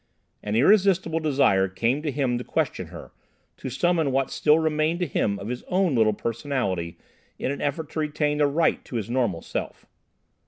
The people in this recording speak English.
An irresistible desire came to him to question her, to summon what still remained to him of his own little personality in an effort to retain the right to his normal self.